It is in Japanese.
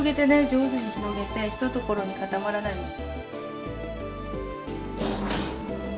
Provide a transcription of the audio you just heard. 上手に広げて一ところに固まらないように。